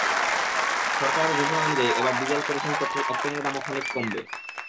সরকারের ঘোষণা অনুযায়ী, এবার ডিজেল, কেরোসিন, পেট্রল, অকটেনের দামও খানিক কমবে।